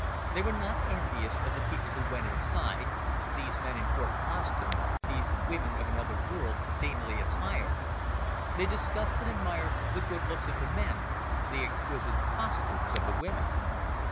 They were not envious of the people who went inside, these men in Court costume, these women of another world, daintily attired. They discussed and admired the good looks of the men, the exquisite costumes of the women.